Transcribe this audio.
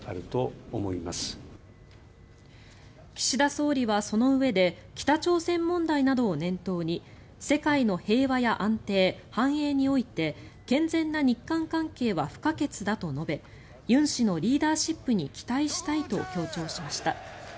岸田総理はそのうえで北朝鮮問題などを念頭に世界の平和や安定繁栄において健全な日韓関係は不可欠だと述べユン氏のリーダーシップに期待したいと強調しました。